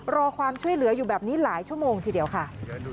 รอความช่วยเหลืออยู่แบบนี้หลายชั่วโมงทีเดียวค่ะ